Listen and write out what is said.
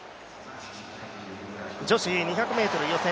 女子２００ｍ予選